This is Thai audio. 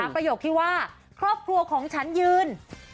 ประโยคที่ว่าครอบครัวของฉันยืน